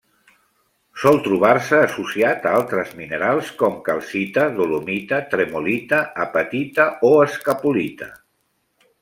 Sol trobar-se associat a altres minerals com: calcita, dolomita, tremolita, apatita o escapolita.